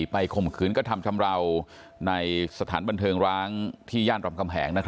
ข่มขืนกระทำชำราวในสถานบันเทิงร้างที่ย่านรำคำแหง